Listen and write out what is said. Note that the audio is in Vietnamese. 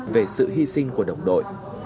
về sự hy sinh của đồng đội